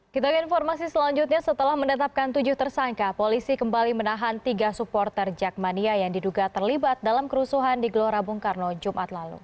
kita ke informasi selanjutnya setelah mendatapkan tujuh tersangka polisi kembali menahan tiga supporter jakmania yang diduga terlibat dalam kerusuhan di gelora bung karno jumat lalu